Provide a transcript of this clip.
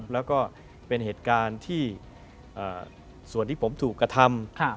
แล้วก็เป็นเหตุการณ์ที่ส่วนที่ผมถูกกระทำ